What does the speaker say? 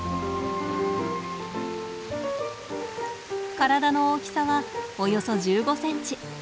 体の大きさはおよそ１５センチ。